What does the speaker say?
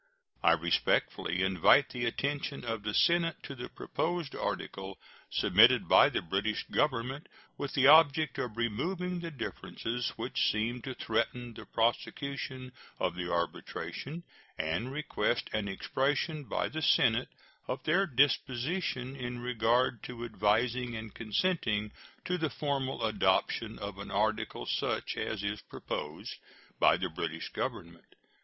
I respectfully invite the attention of the Senate to the proposed article submitted by the British Government with the object of removing the differences which seem to threaten the prosecution of the arbitration, and request an expression by the Senate of their disposition in regard to advising and consenting to the formal adoption of an article such as is proposed by the British Government.